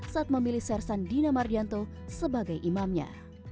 saat memilih sersan dina mardianto sebagai imamnya